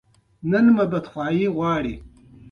چې په کور دى ورشه.